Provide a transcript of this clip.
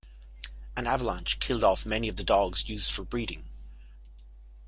An avalanche killed off many of the dogs used for breeding.